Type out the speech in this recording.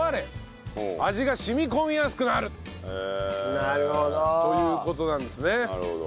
なるほど。という事なんですね。